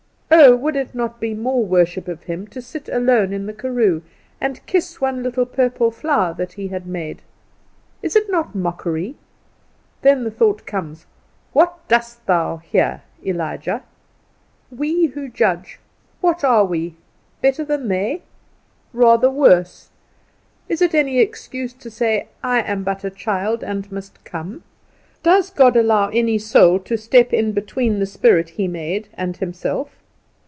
Oh, would it not be more worship of Him to sit alone in the karoo and kiss one little purple flower that he had made? Is it not mockery? Then the thought comes, "What doest thou here, Elijah?" We who judge, what are we better than they? rather worse. Is it any excuse to say, "I am but a child and must come?" Does God allow any soul to step in between the spirit he made and himself?